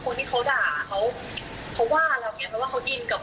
เพราะว่าเขาอินกับบทรักนำมากเขาเขียนเรามาก